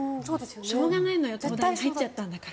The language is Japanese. しょうがないのよ入っちゃったんだから。